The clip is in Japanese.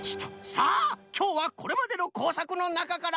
さあきょうはこれまでのこうさくのなかから。